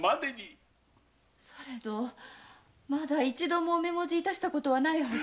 されどまだ一度も御目文字いたしたことはないはず。